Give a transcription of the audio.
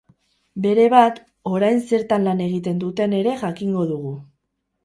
Berebat, orain zertan lan egiten duten ere jakingo dugu.